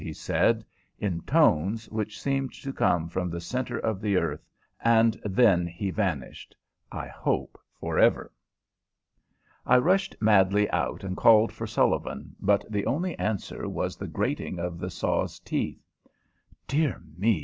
he said, in tones which seemed to come from the centre of the earth, and then he vanished I hope, forever. I rushed madly out and called for Sullivan, but the only answer was the grating of the saw's teeth. (Dear me!